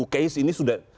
seribu case ini sudah